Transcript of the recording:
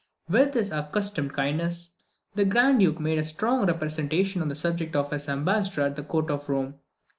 With his accustomed kindness, the Grand Duke made a strong representation on the subject to his ambassador at the Court of Rome.